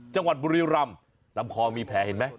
จังหวัดบุรีรำลำคอมีแผลเห็นไหม